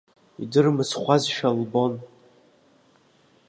Идырмыцхәуазшәа лбон.